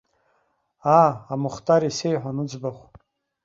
Аа, амухтар исеиҳәон уӡбахә!